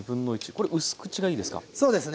これうす口がいいですか？